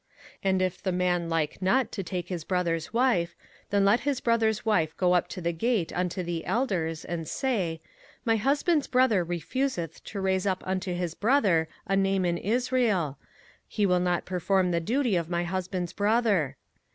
05:025:007 And if the man like not to take his brother's wife, then let his brother's wife go up to the gate unto the elders, and say, My husband's brother refuseth to raise up unto his brother a name in Israel, he will not perform the duty of my husband's brother.